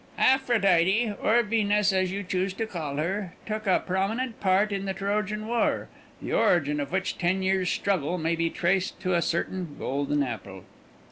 "Aphrodite, or Venus, as you choose to call her, took a prominent part in the Trojan war, the origin of which ten years' struggle may be traced to a certain golden apple."